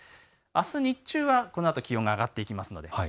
あす日中、このあと気温上がっていきます。